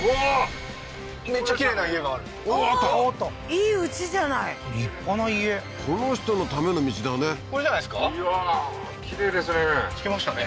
いいうちじゃない立派な家この人のための道だね